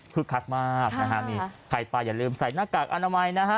คักมากนะฮะนี่ใครไปอย่าลืมใส่หน้ากากอนามัยนะฮะ